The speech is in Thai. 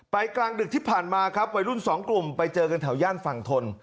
กลางดึกที่ผ่านมาครับวัยรุ่นสองกลุ่มไปเจอกันแถวย่านฝั่งทน